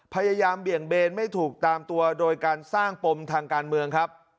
เบี่ยงเบนไม่ถูกตามตัวโดยการสร้างปมทางการเมืองครับ